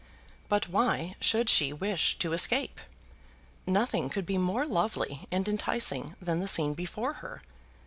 But why should she wish to escape? Nothing could be more lovely and enticing than the scene before her.